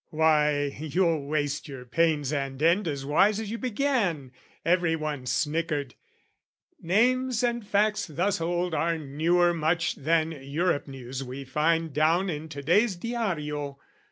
" Why, you'll waste "Your pains and end as wise as you began!" Every one snickered: "names and facts thus old "Are newer much than Europe news we find "Down in to day's Diario.